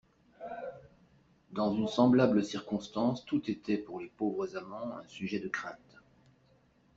Dans une semblable circonstance tout était pour les pauvres amants un sujet de crainte.